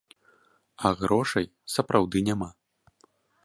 А грошай сапраўды няма.